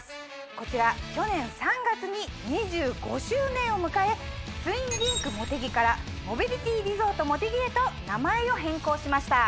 こちら去年３月に２５周年を迎え「ツインリンクもてぎ」から「モビリティリゾートもてぎ」へと名前を変更しました。